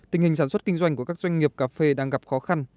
tình hình sản xuất kinh doanh của các doanh nghiệp cà phê đang gặp khó khăn